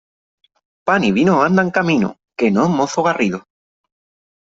Pan y vino andan camino, que no mozo garrido.